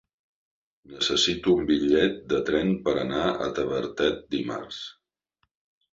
Necessito un bitllet de tren per anar a Tavertet dimarts.